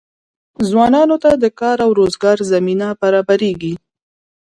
ځوانانو ته د کار او روزګار زمینه برابریږي.